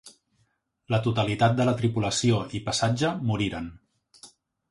La totalitat de la tripulació i passatge moriren.